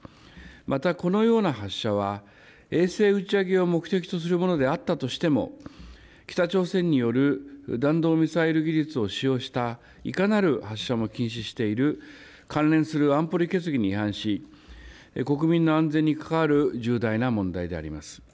また、このような発射は、衛星打ち上げを目的とするものであったとしても、北朝鮮による弾道ミサイル技術を使用した、いかなる発射も禁止している関連する安保理決議に違反し、国民の安全に関わる重大な問題であります。